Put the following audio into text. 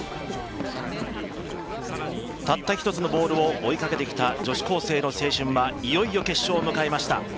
たった一つのボールを追いかけてきた女子高校生の青春はいよいよ決勝を迎えました。